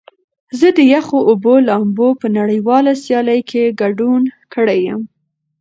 زه د یخو اوبو لامبو په نړیواله سیالۍ کې ګډون کړی یم.